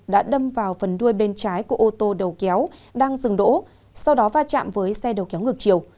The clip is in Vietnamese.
đã đâm vào phần đuôi bên trái của ô tô đầu kéo đang dừng đỗ sau đó va chạm với xe đầu kéo ngược chiều